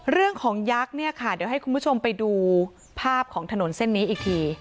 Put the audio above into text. ยักษ์เนี่ยค่ะเดี๋ยวให้คุณผู้ชมไปดูภาพของถนนเส้นนี้อีกที